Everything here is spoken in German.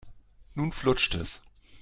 Nun flutscht es.